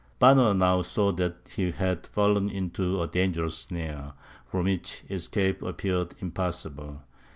Banner now saw that he had fallen into a dangerous snare, from which escape appeared impossible.